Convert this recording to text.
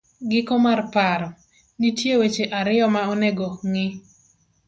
giko mar paro .nitie weche ariyo ma onego ng'i.